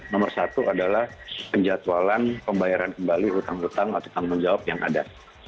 nomor satu adalah penjatualan pembayaran kembali utang utang atau tanggung jawab yang ada